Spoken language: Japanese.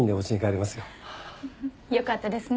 よかったですね。